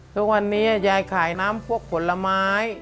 ทุกวันนี้ยายขายน้ำพวกผลไม้